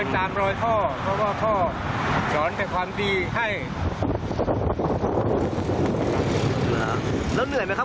ที่ช่วยผู้ด่านบนแก่ประชาทัย